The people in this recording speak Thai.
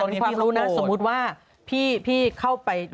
อันนี้ขอถามความรู้นั้นสมมุติว่าพี่เข้าไป